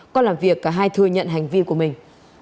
còn làm việc cả hai thừa nhận hành vi của mình